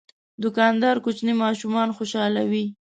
دوکاندار کوچني ماشومان خوشحالوي.